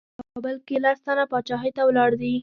په کابل کې لس تنه پاچاهۍ ته ولاړ دي.